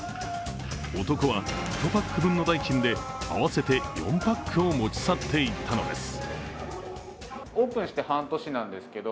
男は１パック分の代金で合わせて４パックを持ち去っていったのです。